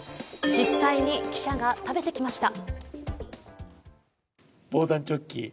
実際に、記者が食べてきました。